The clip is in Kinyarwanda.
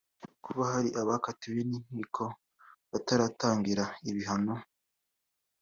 kuba hari abakatiwe n’inkiko bataratangira ibihano